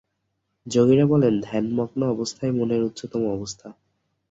যোগীরা বলেন ধ্যানমগ্ন অবস্থাই মনের উচ্চতম অবস্থা।